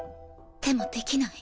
でもできない。